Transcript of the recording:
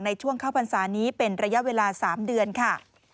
ในช่วงเข้าพรรษานี้เป็นระยะเวลา๓เดือนค่ะ